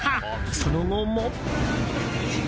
その後も。